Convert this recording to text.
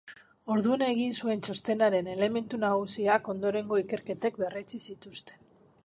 Orduan egin zuen txostenaren elementu nagusiak ondorengo ikerketek berretsi zituzten.